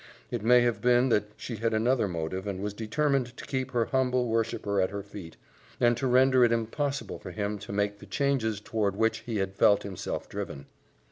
It may have been that she had another motive and was determined to keep her humble worshiper at her feet, and to render it impossible for him to make the changes toward which he had felt himself driven.